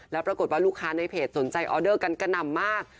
แล้วปรากฏว่าลูกค้าในเพจสนใจออเดอร์กันกระหน่ำมาก